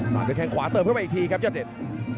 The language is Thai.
ด้วยแข้งขวาเติมเข้ามาอีกทีครับยอดเดช